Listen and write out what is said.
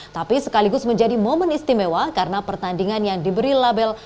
tapi sekaligus menjadi momen istimewa karena pertandingan yang diberi label